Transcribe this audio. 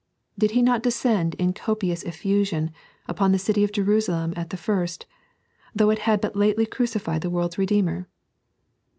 Hid He not descend in copious effusion upon the city of Jerusalem at the first, though it had but lately crucified the world's Redeemer?